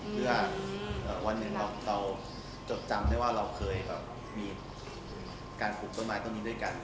เพื่อวันหนึ่งเราจดจำได้ว่าเราเคยแบบมีการปลูกต้นไม้ต้นนี้ด้วยกัน